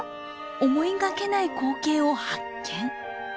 思いがけない光景を発見！